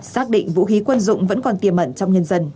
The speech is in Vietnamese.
xác định vũ khí quân dụng vẫn còn tiềm ẩn trong nhân dân